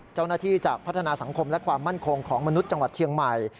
จากพัฒนาสังคมและความมั่นคงของมนุษย์จังหวัดเชียงใหม่